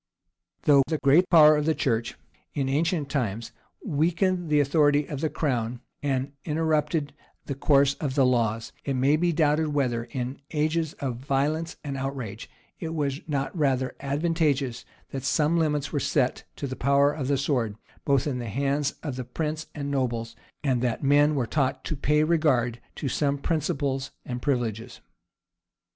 Though the great power of the church, in ancient times, weakened the authority of the crown, and interrupted the course of the laws, it may be doubted whether, in ages of such violence and outrage, it was not rather advantageous that some limits were set to the power of the sword, both in the hands of the prince and nobles, and that men were taught to pay regard to some principles and privileges.